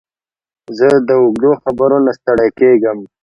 زه د اوږدو خبرو نه ستړی کېږم.